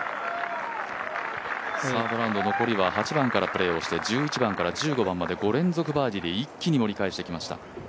サードラウンド残りは８番からプレーして１１番から１５番まで５連続バーディーで一気に盛り返してきました。